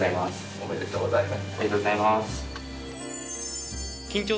ありがとうございます。